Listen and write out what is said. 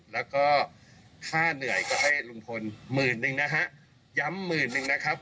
แล้วก็ค่าเหนื่อยก็ให้ลุงพลหมื่นหนึ่งนะฮะย้ำหมื่นนึงนะครับ